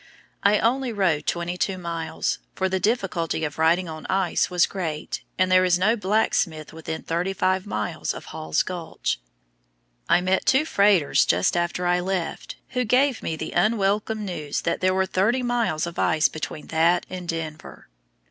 I only rode twenty two miles, for the difficulty of riding on ice was great, and there is no blacksmith within thirty five miles of Hall's Gulch. I met two freighters just after I left, who gave me the unwelcome news that there were thirty miles of ice between that and Denver.